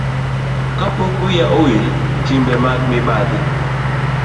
Ka pok wiya owil, timbe mag mibadhi